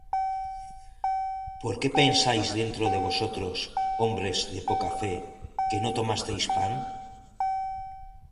¿Por qué pensáis dentro de vosotros, hombres de poca fe, que no tomasteis pan?